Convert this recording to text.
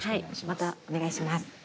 またお願いします。